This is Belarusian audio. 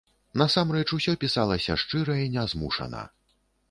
Насамрэч усё пісалася шчыра і нязмушана.